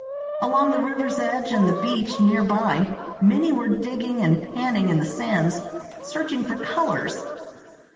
Along the river's edge and the beach near by many were digging and panning in the sands searching for "colors."